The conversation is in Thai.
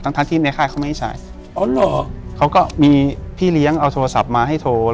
ทั้งทั้งที่ในค่ายเขาไม่ใช้อ๋อเหรอเขาก็มีพี่เลี้ยงเอาโทรศัพท์มาให้โทร